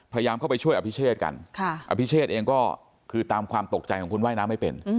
พยายามเข้าไปช่วยอภิเชษกันอภิเชษเองก็คือตามความตกใจของคุณว่ายน้ำไม่เป็น